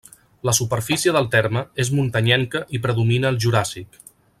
La superfície del terme és muntanyenca i predomina el Juràssic.